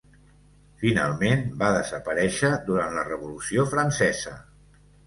Finalment va desaparèixer durant la Revolució Francesa.